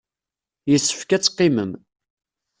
Yessefk ad teqqimem.